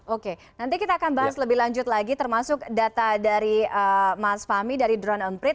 oke nanti kita akan bahas lebih lanjut lagi termasuk data dari mas fahmi dari drone emprit